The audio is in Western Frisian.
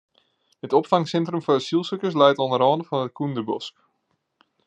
Dit opfangsintrum foar asylsikers leit oan de râne fan it Kúnderbosk.